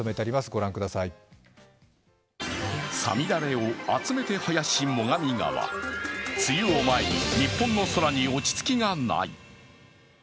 五月雨を集めて早し最上川、梅雨を前に日本の空に落ち着きがない。